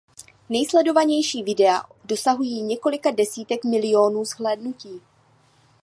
Nejsledovanější videa dosahují několika desítek milionů zhlédnutí.